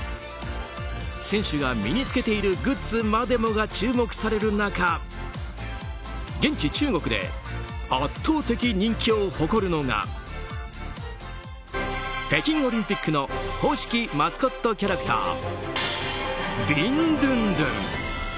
選手が身に着けているグッズまでもが注目される中現地、中国で圧倒的人気を誇るのが北京オリンピックの公式マスコットキャラクタービンドゥンドゥン。